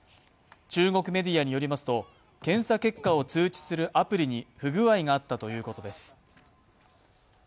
中国メディアによりますと、検査結果を通知するアプリに不具合があったということです。